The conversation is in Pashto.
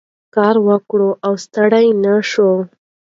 کار وکړو او ستړي نه شو.